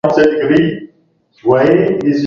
amesema afisa mwandamizi wa benki kuu ya Uganda, Ijumaa